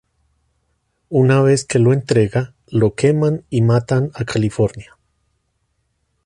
Una vez que lo entrega, lo queman y matan a California.